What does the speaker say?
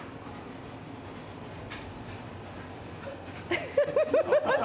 フフフフッ！